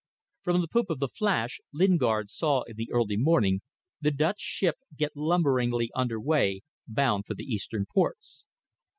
From the poop of the Flash Lingard saw in the early morning the Dutch ship get lumberingly under weigh, bound for the eastern ports.